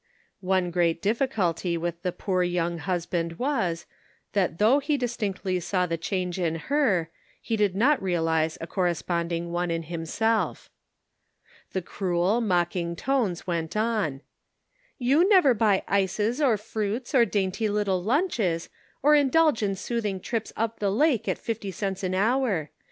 One great difficulty with the poor young husband was, that though he distinctly saw the change in her, he did not realize a corresponding one in himself. The cruel, mocking tones went on :" You never buy ices or fruits or dainty little lunches, or indulge in soothing trips up the lake at fifty cents an hour.